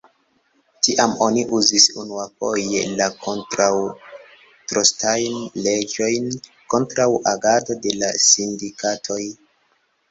Tiam oni uzis unuafoje la kontraŭ-trostajn leĝojn kontraŭ agado de la sindikatoj.